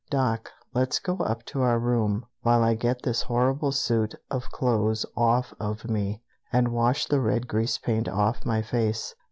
"Doc, let's go up to our room while I get this horrible suit of clothes off of me, and wash the red grease paint off my face.